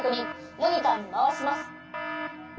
モニターにまわします。